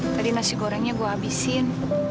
tadi nasi gorengnya gue habisin